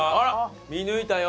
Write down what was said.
見抜いたよ。